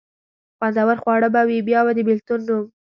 خوندور خواړه به وي، بیا به د بېلتون نوم.